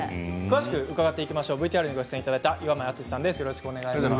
ＶＴＲにもご出演いただいた岩前篤さんです。